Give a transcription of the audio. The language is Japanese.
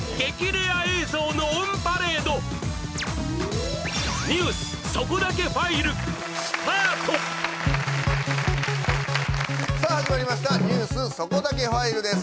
レア映像のオンパレードスタートさあ始まりました「ニュースそこだけファイル」です